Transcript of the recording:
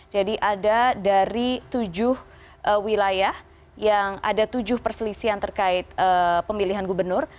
jadi ada dari tujuh wilayah yang ada tujuh perselisihan terkait pemilihan gubernur